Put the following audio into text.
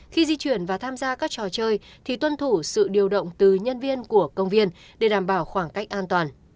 khi di chuyển và tham gia các trò chơi thì tuân thủ sự điều động từ nhân viên của công viên để đảm bảo khoảng cách an toàn